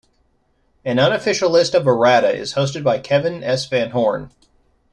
An unofficial list of errata is hosted by Kevin S. Van Horn.